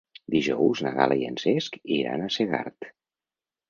Dijous na Gal·la i en Cesc iran a Segart.